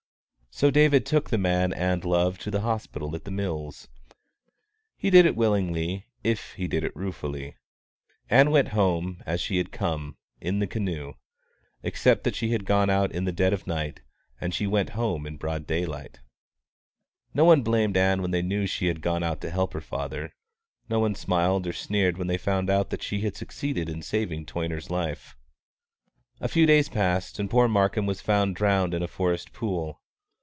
So David took the man Ann loved to the hospital at The Mills. He did it willingly if he did it ruefully. Ann went home, as she had come, in the canoe, except that she had gone out in the dead of night and she went home in broad daylight. No one blamed Ann when they knew she had gone out to help her father; no one smiled or sneered when they found that she had succeeded in saving Toyner's life. A few days passed, and poor Markham was found drowned in a forest pool.